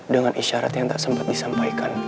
dengan isyarat yang tak sempat disampaikan